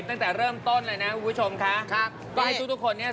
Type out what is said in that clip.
ตั้งแต่เริ่มต้นเลยนะคุณผู้ชมค่ะครับก็ให้ทุกทุกคนเนี่ย